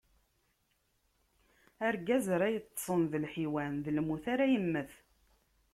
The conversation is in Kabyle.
Argaz ara yeṭṭṣen d lḥiwan, d lmut ara yemmet.